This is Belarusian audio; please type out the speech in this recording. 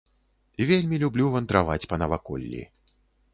Вельмі люблю вандраваць па наваколлі.